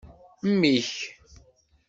Mmi-k.